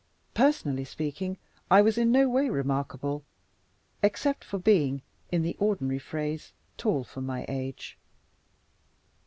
Personally speaking, I was in no way remarkable except for being, in the ordinary phrase, "tall for my age."